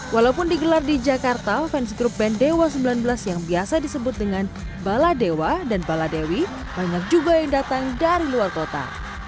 walaupun digelar di jakarta fans grup band dewa sembilan belas yang biasa disebut dengan baladewa dan baladewi banyak juga yang datang dari luar kota